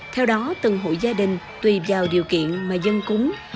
theo đó từng hội gia đình tùy vào điều kiện mà dân cúng